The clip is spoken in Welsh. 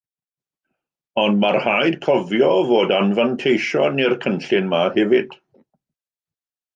Ond mae rhaid cofio fod anfanteision i'r cynllun yma hefyd